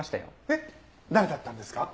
えっ誰だったんですか？